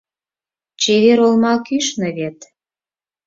Чевер олма кӱшнӧ вет